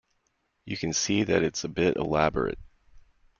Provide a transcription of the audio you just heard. You can see that it's a bit elaborate?